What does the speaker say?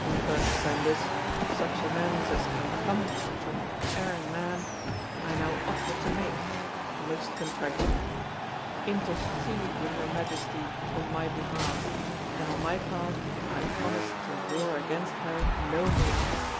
But, Sandys, such amends as can come from an erring man I now offer to make most contritely. Intercede with Her Majesty on my behalf, and on my part I promise to war against her no more.